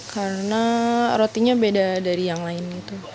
karena rotinya beda dari yang lain itu